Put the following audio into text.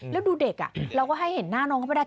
แล้วดูเด็กเราก็ให้เห็นหน้าน้องเขาไม่ได้